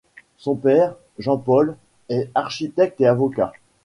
Son père, Jean-Paul, est architecte et avocat.